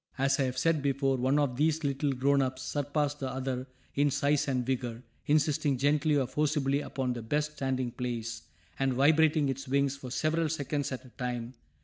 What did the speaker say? As I have said before, one of these little grown ups surpassed the other in size and vigor, insisting gently or forcibly upon the best standing place, and vibrating its wings for several seconds at a time.